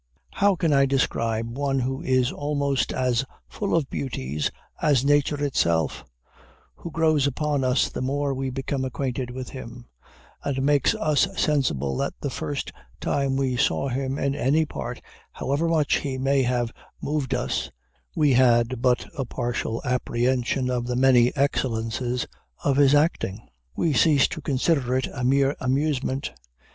How can I describe one who is almost as full of beauties as nature itself, who grows upon us the more we become acquainted with him, and makes us sensible that the first time we saw him in any part, however much he may have moved us, we had but a partial apprehension of the many excellences of his acting? We cease to consider it as a mere amusement.